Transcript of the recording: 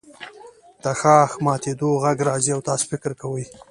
د ښاخ ماتیدو غږ راځي او تاسو فکر کوئ